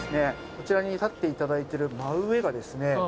こちらに立って頂いてる真上がですね